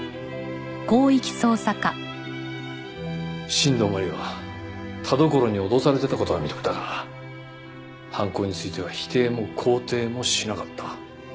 新道真理は田所に脅されてた事は認めたが犯行については否定も肯定もしなかった。